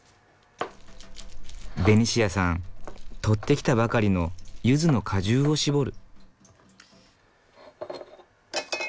ベニシアさん取ってきたばかりのゆずの果汁をしぼる。